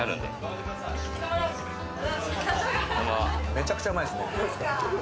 めちゃくちゃうまいですね。